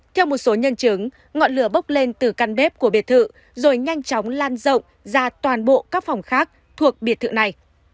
theo một số nhân chứng ngọn lửa bốc lên từ căn bếp của biệt thự rồi nhanh chóng lan rộng ra toàn bộ các phòng khác thuộc biệt thự này